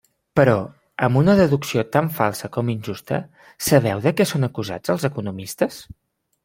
Però, amb una deducció tan falsa com injusta, ¿sabeu de què són acusats els economistes?